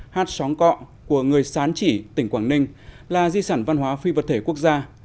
hát xóm cọ của người sán chỉ tỉnh quảng ninh là di sản văn hóa phi vật thể quốc gia